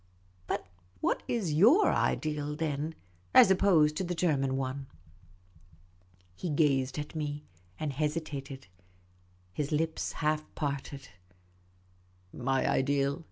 But what iajotir ideal, then, as opposed to the German one ?'' He gazed at me and hesitated. His lips half parted. " My ideal